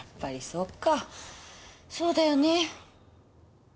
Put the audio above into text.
そうだよね。